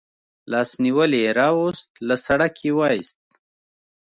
لاس نیولی راوست، له سړک یې و ایست.